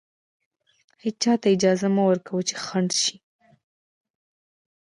هېچا ته اجازه مه ورکوئ چې خنډ شي.